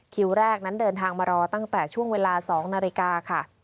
แรกนั้นเดินทางมารอตั้งแต่ช่วงเวลา๒นาฬิกาค่ะ